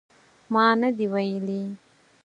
ما نه دي ویلي